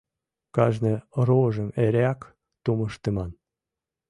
Кажне рожым эреак тумыштыман.